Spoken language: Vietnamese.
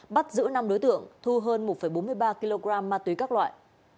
bắt giữ năm đối tượng thu hơn một bốn mươi ba kg ma túy các loại